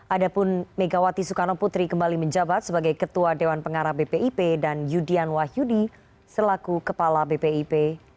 adapun megawati soekarno putri kembali menjabat sebagai ketua dewan pengarah bpip dan yudian wahyudi selaku kepala bpip